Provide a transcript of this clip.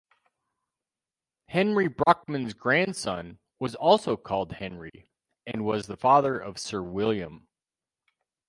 Henry Brockman's grandson was also called Henry, and was the father of Sir William.